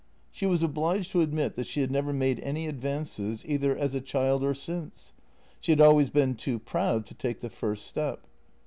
She was obliged to admit that she had never made any advances, either as a child or since; she had always been too proud to take the first step.